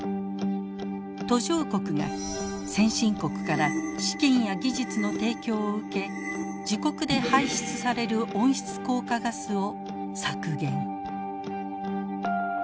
途上国が先進国から資金や技術の提供を受け自国で排出される温室効果ガスを削減。